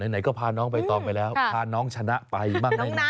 ไหนก็พาน้องใบตองไปแล้วพาน้องชนะไปบ้างไหม